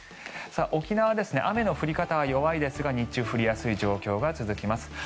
沖縄、雨の降り方は弱いですが日中、降りやすい状況が続きます。